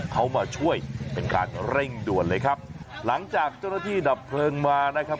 เขามาช่วยเป็นการเร่งด่วนเลยครับหลังจากเจ้าหน้าที่ดับเพลิงมานะครับ